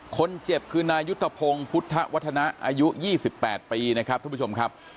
คนเจ็บคือนายุทธพงศ์พุทธวัฒนะอายุ๒๘ปีนะครับท่านผู้ชมครับ